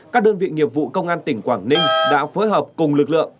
các đơn vị nghiệp vụ công an tỉnh quảng ninh đã phối hợp cùng lực lượng